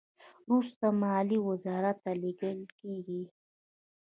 وروسته مالیې وزارت ته لیږل کیږي.